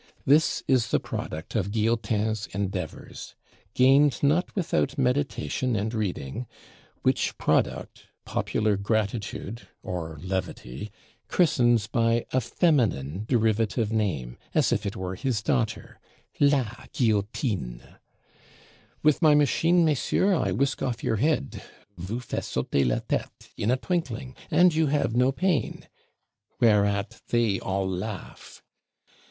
This is the product of Guillotin's endeavors, gained not without meditation and reading; which product popular gratitude or levity christens by a feminine derivative name, as if it were his daughter: La Guillotine! "With my machine, Messieurs, I whisk off your head (vous fais sauter la tête) in a twinkling, and you have no pain;" whereat they all laugh.